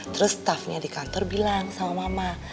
terus staffnya di kantor bilang sama mama